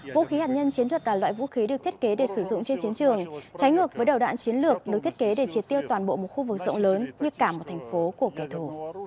vũ khí hạt nhân chiến thuật là loại vũ khí được thiết kế để sử dụng trên chiến trường trái ngược với đầu đạn chiến lược được thiết kế để chiến tiêu toàn bộ một khu vực rộng lớn như cả một thành phố của kẻ thù